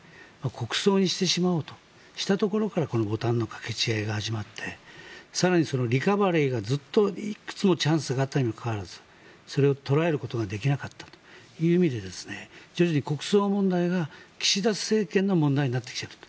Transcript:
国葬にしてしまおうとしたところからこのボタンの掛け違いが始まって更にそのリカバリーがずっといくつもチャンスがあったにもかかわらずそれを捉えることができなかったという意味で徐々に国葬問題が岸田政権の問題になってきていると。